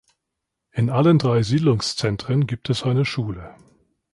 In allen drei Siedlungszentren gibt es eine Schule.